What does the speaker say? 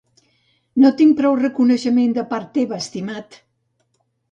No tinc prou reconeixement de part teva, estimat!